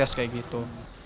terus kayak gitu